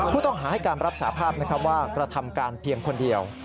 คุณต้องหาให้การรับสาภาพในคำว่าประทำการณ์เพียงคนเดียว